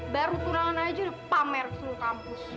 baru tunangan aja udah pamer seluruh kampus